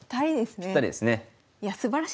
ぴったりですね。